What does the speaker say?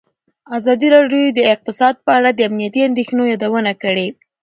ازادي راډیو د اقتصاد په اړه د امنیتي اندېښنو یادونه کړې.